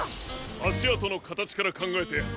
あしあとのかたちからかんがえてはんにんは。